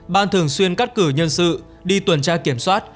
ban thường xuyên cắt cử nhân sự đi tuần tra kiểm soát